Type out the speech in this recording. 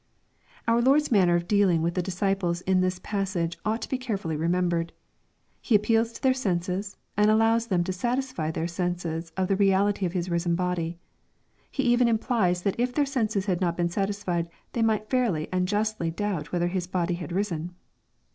Our Lord's manner of dealing with the disciples in this passage ought to be carefully remembered. He appeals to their senses, and allows them to satisfy their senses of the reality of His risen body. He even implies that if their senses had not been satisfied they might fairly and justly doubt whether His body had risen.